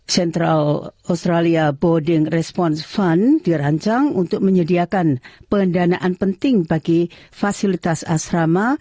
central australia boarding response fund dirancang untuk menyediakan pendanaan penting bagi fasilitas asrama